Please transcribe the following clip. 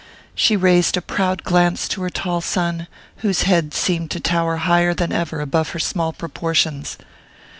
She raised a proud glance to her tall son, whose head seemed to tower higher than ever above her small proportions.